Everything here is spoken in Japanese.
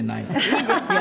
いいですよ。